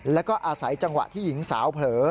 แล้วก็อาศัยจังหวะที่หญิงสาวเผลอ